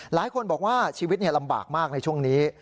หลายคนบอกว่าชีวิตลำบากมากในช่วงนี้